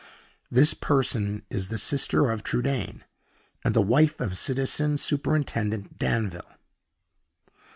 This person is the sister of Trudaine, and the wife of Citizen Superintendent Danville."